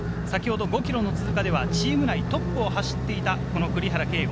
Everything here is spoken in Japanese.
５ｋｍの通過はチーム内トップを走っていた栗原啓吾。